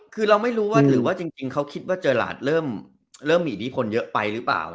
คือเราไม่รู้ว่าหรือว่าจริงเขาคิดว่าเจอหลาดเริ่มมีอิทธิพลเยอะไปหรือเปล่า